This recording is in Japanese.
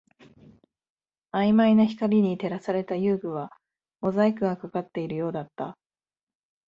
曖昧な光に照らされた遊具はモザイクがかかっているようだった